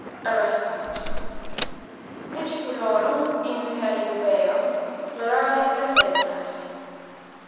A Respite "Discipulorum inter jubeo plorare cathedras."